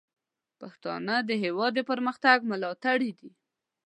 پښتانه د هیواد د پرمختګ ملاتړي دي.